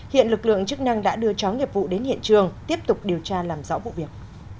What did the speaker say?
hiện lực lượng chức năng đã đưa chó nghiệp vụ đến hiện trường tiếp tục điều tra làm rõ vụ việc